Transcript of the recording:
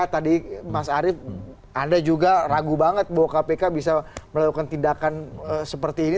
tadi mas arief anda juga ragu banget bahwa kpk bisa melakukan tindakan seperti ini